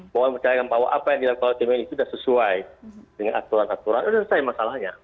mau mempercayakan apa yang di dalam kualitas di medis itu sudah sesuai dengan aturan aturan itu sudah selesai masalahnya